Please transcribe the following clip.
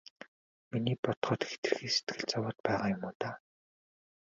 Миний бодоход хэтэрхий сэтгэл зовоод байгаа юм уу даа.